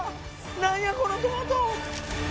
何やこのトマト！